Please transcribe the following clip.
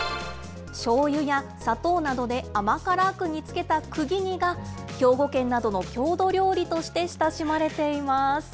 しょうゆや砂糖などで甘辛く煮つけたくぎ煮が、兵庫県などの郷土料理として親しまれています。